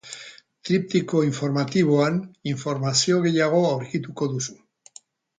Triptiko informatiboan informazio gehiago aurkituko duzu.